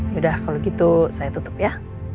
yaudah kalau gitu saya tutup ya